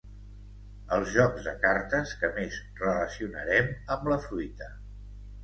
Els jocs de cartes que més relacionarem amb la fruita.